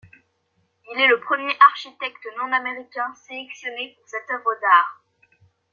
Il est le premier architecte non américain sélectionné pour cette œuvre d'art.